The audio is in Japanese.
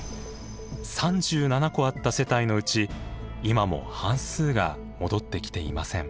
３７戸あった世帯のうち今も半数が戻ってきていません。